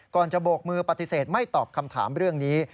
จะโบกมือปฏิเสธไม่ตอบคำถามเรื่องนี้